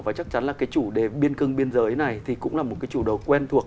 và chắc chắn là cái chủ đề biên cương biên giới này thì cũng là một cái chủ đầu quen thuộc